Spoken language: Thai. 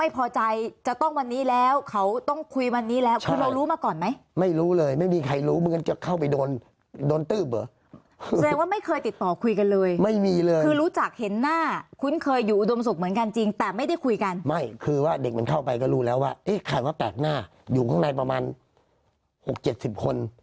พอใจจะต้องวันนี้แล้วเขาต้องคุยวันนี้แล้วคือเรารู้มาก่อนไหมไม่รู้เลยไม่มีใครรู้เหมือนจะเข้าไปโดนโดนตืบเหรอแสดงว่าไม่เคยติดต่อคุยกันเลยไม่มีเลยคือรู้จักเห็นหน้าคุ้นเคยอยู่อุดมสุขเหมือนกันจริงแต่ไม่ได้คุยกันไม่คือว่าเด็กมันเข้าไปก็รู้แล้วว่าเอ๊ะใครว่าแปลกหน้าอยู่ข้างในประมาณหกเจ็ดสิบคน